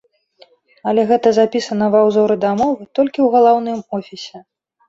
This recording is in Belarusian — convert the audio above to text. Але гэта запісана ва ўзоры дамовы толькі ў галаўным офісе.